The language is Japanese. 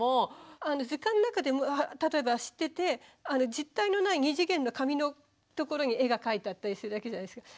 図鑑の中でも例えば知ってて実体のない二次元の紙のところに絵が描いてあったりするだけじゃないですか。